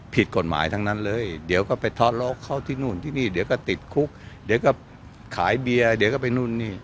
ผิดกฎหมายทั้งนั้นเลยเดี๋ยวก็ไปทอดล็อกเขาที่นู่นที่นี่เดี๋ยวก็ติดคุกเดี๋ยวก็ขายเบียร์เดี๋ยวก็ไปนู่นนี่